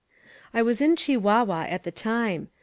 I was in Chihuahua at the time.